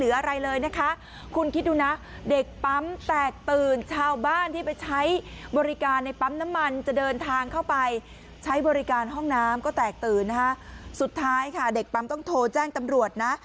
สุดท้ายค่ะเด็กปั๊มต้องโทรแจ้งตำรวจนะ